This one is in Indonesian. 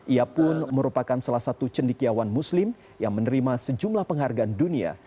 ia pun merupakan salah satu cendikiawan muslim yang menerima sejumlah penghargaan dunia